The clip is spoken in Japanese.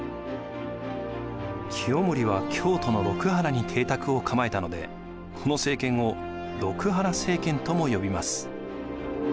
清盛は京都の六波羅に邸宅を構えたのでこの政権を六波羅政権とも呼びます。